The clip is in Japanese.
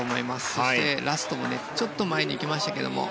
そして、ラストちょっと前に行きましたけど。